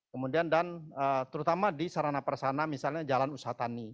kemudian dan terutama di serana parasrana misalnya jalan usaha